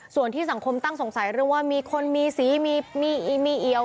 ส่วนที่สังคมตั้งสงสัยเรื่องว่ามีคนมีสีมีอีมีเอียว